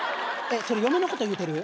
えっそれ嫁のこと言うてる？